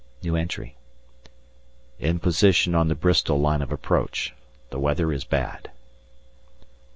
In position on the Bristol line of approach, the weather is bad.